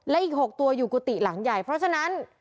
และอีก๖ตัวอยู่กุฏิหลังใหญ่เพราะฉะนั้น